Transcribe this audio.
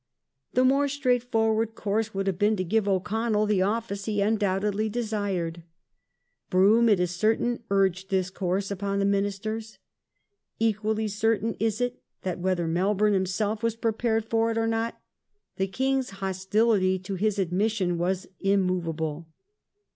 The more straightforward course would have been to give O'Connell the office he undoubtedly desired. Brougham, it is certain, urged this course upon the Ministei s. Equally certain is it, that whether Melbourne himself was prepared for it or not, the King's hostility to his admission was immovable.